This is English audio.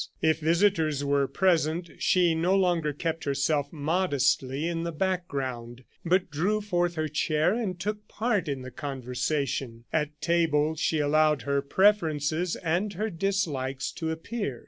If visitors were present, she no longer kept herself modestly in the background, but drew forward her chair and took part in the conversation. At table, she allowed her preferences and her dislikes to appear.